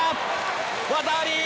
技あり！